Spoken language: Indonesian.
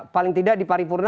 paling tidak di paripurnia